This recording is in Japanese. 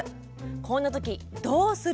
こんな時どうする？